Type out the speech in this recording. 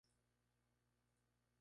La misión será detenerlo.